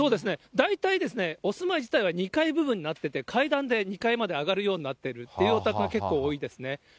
大体ですね、お住まい自体は２階部分になってて、階段で２階まで上がるようになってるっていうお宅が結構多いですね。